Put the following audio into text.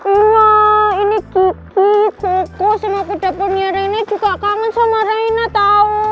iya ini kiki koko sama kuda poni reina juga kangen sama reina tau